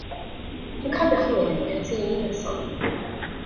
Dw i'n cofio rywun yn dod i'r tŷ un noson.